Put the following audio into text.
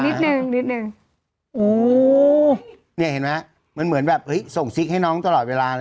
นิดนึงนิดนึงโอ้เนี่ยเห็นไหมมันเหมือนแบบส่งซิกให้น้องตลอดเวลาเลย